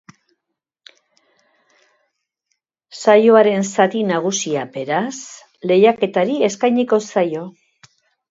Saioaren zati nagusia, beraz, lehiaketari eskainiko zaio.